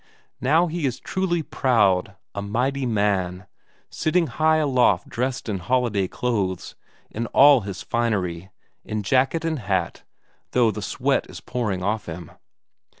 Now he is truly proud, a mighty man, sitting high aloft dressed in holiday clothes, in all his finery; in jacket and hat, though the sweat is pouring off him.